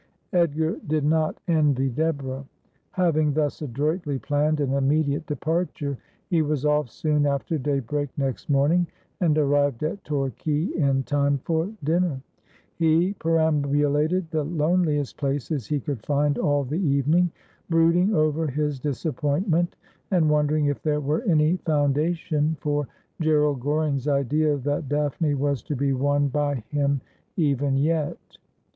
Edgar did not envy Deborah. Having thus adroitly planned an immediate departure he was off soon after daybreak next morning, and arrived at Torquay in time for dinner. He peram bulated the loneliest places he could find all the evening, brood ing over his disappointment, and wondering if there were any foundation for Gerald Goring's idea that Daphne was to be won by him even yet.